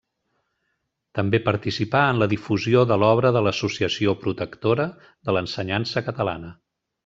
També participà en la difusió de l'obra de l'Associació Protectora de l'Ensenyança Catalana.